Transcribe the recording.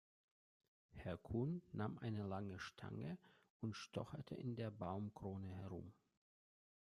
Herr Kuhn nahm eine lange Stange und stocherte in der Baumkrone herum.